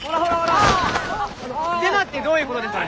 デマってどういうことですか？